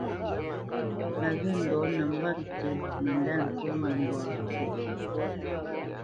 A ghê ndɔ̌ nəmbat ŋkwó mə ndâ tsónə́ mbá ntí.